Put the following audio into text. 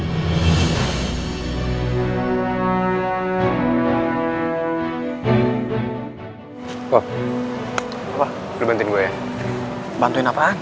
kok kok berbentuk gue bantuin apaan